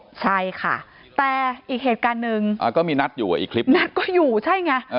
ใช่ค่ะแต่อีกเหตุการณ์หนึ่งก็มีนัดอยู่อ่ะอีกคลิปนัดก็อยู่ใช่ไง